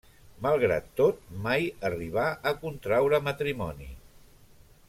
Malgrat tot, mai arribà a contraure matrimoni.